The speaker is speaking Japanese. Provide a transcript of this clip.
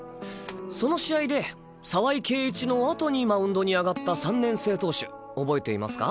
その試合で澤井圭一の後にマウンドに上がった３年生投手覚えていますか？